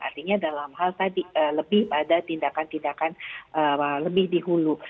artinya dalam hal tadi lebih pada tindakan tindakan lebih dihulu